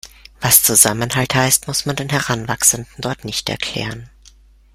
Was Zusammenhalt heißt, muss man den Heranwachsenden dort nicht erklären.